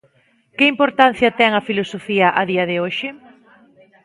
Que importancia ten a filosofía a día de hoxe?